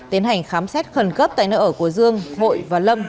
tiến hành khám xét khẩn cấp tại nơi ở của dương hội và lâm